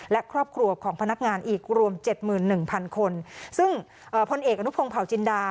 และครอบครัวของพนักงานอีกรวมเจ็ดหมื่นหนึ่งพันคนซึ่งเอ่อพลเอกอนุพงศ์เผาจินดา